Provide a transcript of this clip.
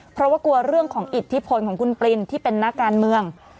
เพราะว่ากลัวเรื่องของอิทธิพลของคุณปรินที่เป็นนักการเมือง